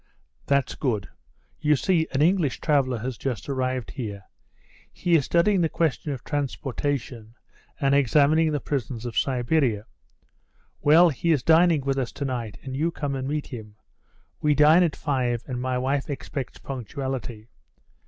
"That's good. You see, an English traveller has just arrived here. He is studying the question of transportation and examining the prisons of Siberia. Well, he is dining with us to night, and you come and meet him. We dine at five, and my wife expects punctuality.